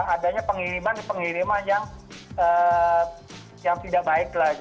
adanya pengiriman pengiriman yang tidak baik